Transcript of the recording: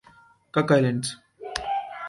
Cook Islands